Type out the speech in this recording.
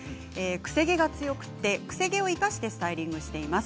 癖毛が強くて癖毛を生かしてスタイリングをしています。